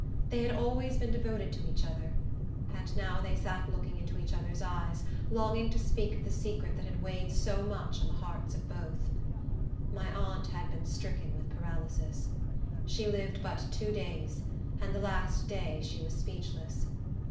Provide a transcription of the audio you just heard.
They had always been devoted to each other; and now they sat looking into each other's eyes, longing to speak of the secret that had weighed so much on the hearts of both. My aunt had been stricken with paralysis. She lived but two days, and the last day she was speechless.